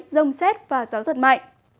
rông xét và gió rất mạnh